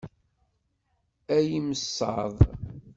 Ay imsaḍ!